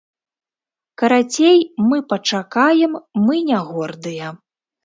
Карацей, мы пачакаем, мы не гордыя.